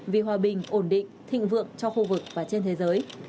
vì hòa bình ổn định thịnh vượng cho khu vực và trên thế giới